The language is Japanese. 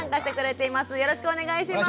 よろしくお願いします。